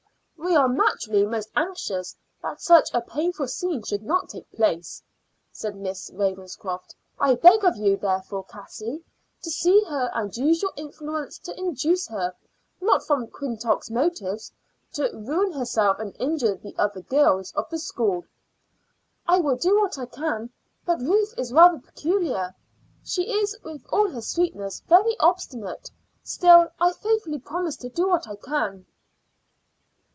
"We are naturally most anxious that such a painful scene should not take place," said Miss Ravenscroft. "I beg of you, therefore, Cassie, to see her and use your influence to induce her, not from quixotic motives, to ruin herself and injure the other girls of the school." "I will do what I can. But Ruth is peculiar. She is, with all her sweetness, very obstinate. Still, I faithfully promise to do what I can."